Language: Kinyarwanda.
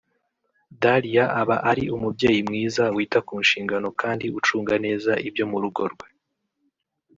Dalia aba ari umubyeyi mwiza wita ku nshingano kandi ucunga neza ibyo mu rugo rwe